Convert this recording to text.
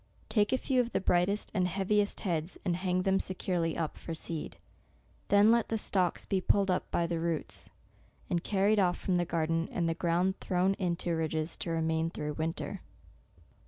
Take a few of the brightest and heaviest heads, and hang them securely up for seed. Then let the stalks be pulled up by the roots, and carried from the garden, and the ground thrown into ridges* to remain through winter.